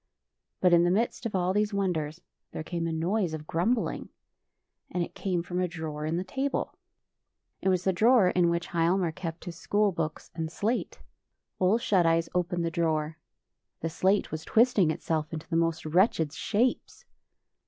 But in the midst of all these wonders, there came a noise of grumbling; and it came from a drawer in the table. It was the [S3] FAVORITE FAIRY TALES RETOLD drawer in which Hialmar kept his school books and slate. Ole Shut Eyes opened the drawer. The slate was twisting itself into the most wretched shapes.